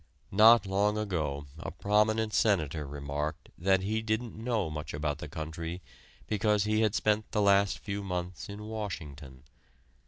Not long ago a prominent senator remarked that he didn't know much about the country, because he had spent the last few months in Washington.